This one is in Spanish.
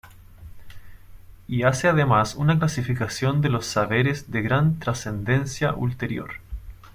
Y hace además una clasificación de los saberes de gran trascendencia ulterior.